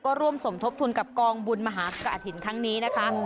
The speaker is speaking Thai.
ร่วมสมทบทุนกับกองบุญมหากฐินครั้งนี้นะคะ